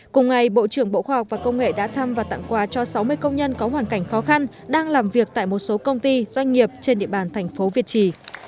cùng ngày bộ trưởng bộ khoa học và công nghệ đã thăm và tặng quà cho sáu mươi công nhân có hoàn cảnh khó khăn đang làm việc tại một số công ty doanh nghiệp trên địa bàn thành phố việt trì